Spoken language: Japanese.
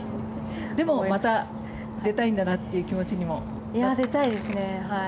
でも、また出たいんだなという気持ちにも。出たいですね。